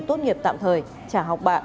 tốt nghiệp tạm thời trả học bạ